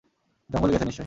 জঙ্গলে গেছে নিশ্চয়ই।